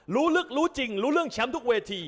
รู้ลึกรู้จริงรู้เรื่องแชมป์ทุกเวที